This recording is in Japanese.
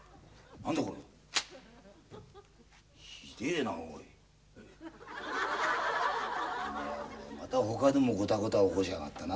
あの野郎また他でもごたごた起こしやがったな。